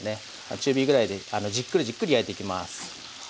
中火ぐらいでじっくりじっくり焼いていきます。